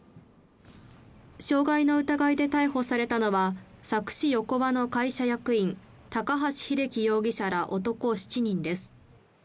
傷害の疑いで逮捕されたのは、佐久市横和の会社役員、高橋秀樹容疑者ら男７人です。